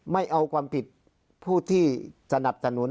ไม่เอาความผิดผู้ที่สนับสนุน